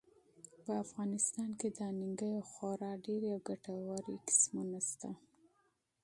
په افغانستان کې د انارو خورا ډېرې او ګټورې منابع شته.